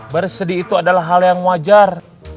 bersedih itu adalah hal yang wajar